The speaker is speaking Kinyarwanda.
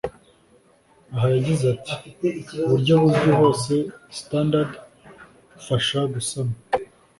Aha yagize ati “Uburyo buzwi hose (standard) bufasha gusama